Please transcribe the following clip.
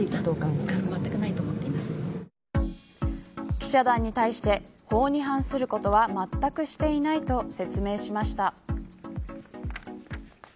記者団に対して法に反することはまったくしていないと説明しました。